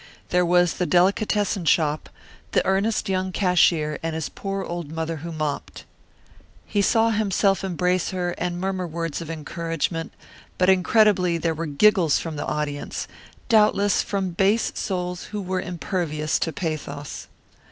There was the delicatessen shop, the earnest young cashier and his poor old mother who mopped. He saw himself embrace her and murmur words of encouragement, but incredibly there were giggles from the audience, doubtless from base souls who were impervious to pathos.